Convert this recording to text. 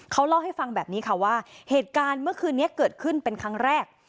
เขาเล่าให้ฟังแบบนี้ค่ะว่าเหตุการณ์เมื่อคืนนี้เกิดขึ้นเป็นครั้งแรก